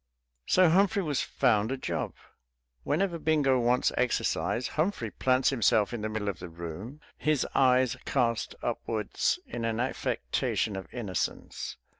So Humphrey was found a job. Whenever Bingo wants exercise, Humphrey plants himself in the middle of the room, his eyes cast upwards in an affectation of innocence.